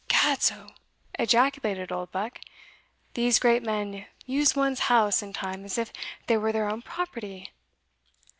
"Gadso!" ejaculated Oldbuck, "these great men use one's house and time as if they were their own property.